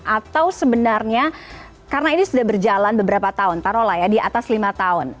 atau sebenarnya karena ini sudah berjalan beberapa tahun taruh lah ya di atas lima tahun